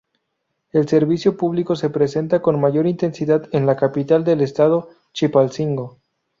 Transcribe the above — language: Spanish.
El servicio público se presenta con mayor intensidad en la capital del Estado, Chilpancingo.